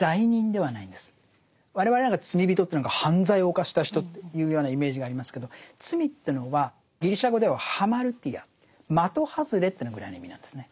我々罪人って犯罪を犯した人というようなイメージがありますけど罪というのはギリシャ語ではハマルティア的外れというぐらいな意味なんですね。